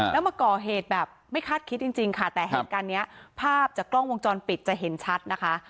แล้วมาก่อเหตุแบบไม่คาดคิดจริงค่ะแต่เหตุการณ์นี้ภาพจากกล้องวงจรปิดจะเห็นชัดนะคะ